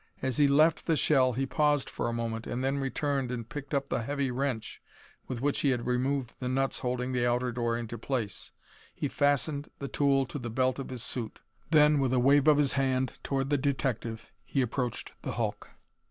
As he left the shell he paused for a moment, and then returned and picked up the heavy wrench with which he had removed the nuts holding the outer door into place. He fastened the tool to the belt of his suit. Then, with a wave of his hand toward the detective, he approached the hulk.